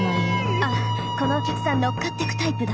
あこのお客さん乗っかってくタイプだ。